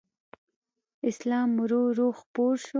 اسلام ورو ورو خپور شو